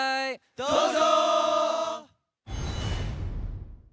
どうぞ！